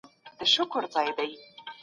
تاريخ بايد د يوې پېښې په توګه مطالعه سي.